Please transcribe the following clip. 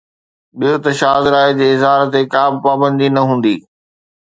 ٻيو ته شاز راءِ جي اظهار تي ڪا به پابندي نه هوندي.